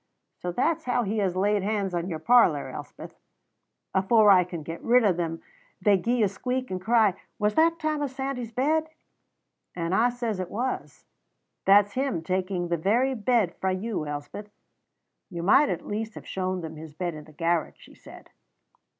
So that's how he has laid hands on your parlor, Elspeth. Afore I can get rid o' them they gie a squeak and cry, 'Was that Thomas Sandys's bed?' and I says it was. That's him taking the very bed frae you, Elspeth." "You might at least have shown them his bed in the garret," she said.